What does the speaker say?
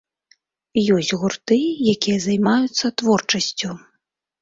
Ёсць гурты, якія займаюцца творчасцю.